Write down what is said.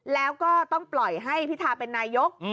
แล้วก็ต้องปล่อยให้พิธาเป็นนายก